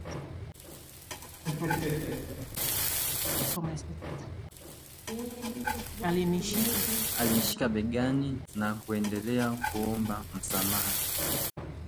Alinishika begani na kuendelea kuomba msamaha